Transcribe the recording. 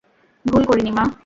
ভুল করিনি, মা।